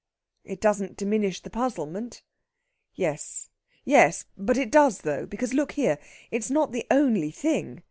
"It doesn't diminish the puzzlement." "Yes yes but it does, though. Because, look here! It's not the only thing.